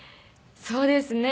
そうですね。